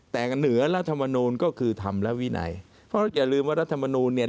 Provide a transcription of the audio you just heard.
แต่เหนือรัฐมนูลก็คือธรรมและวินัยเพราะอย่าลืมว่ารัฐมนูลเนี่ย